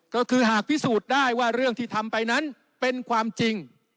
ก็คือหากพิสูจน์ได้ว่าเรื่องที่ทำไปนั้นเป็นความจริง